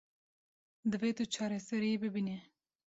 Divê tu çareseriyê bibînî.